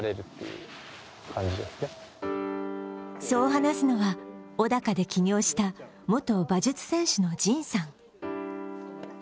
そう話すのは、小高で起業した元馬術選手の神さん。